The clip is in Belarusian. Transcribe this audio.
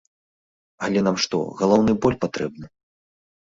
Але нам што, галаўны боль патрэбны?